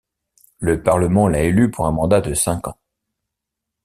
Le Parlement l'a élu pour un mandat de cinq ans.